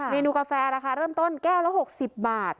นูกาแฟราคาเริ่มต้นแก้วละ๖๐บาท